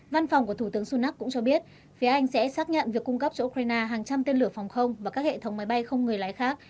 văn phòng của thủ tướng sunak cũng cho biết phía anh sẽ xác nhận việc cung cấp cho ukraine hàng trăm tên lửa phòng không và các hệ thống máy bay không người lái khác